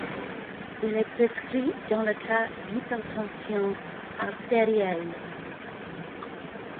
Il est prescrit dans le cas d'hypertension artérielle.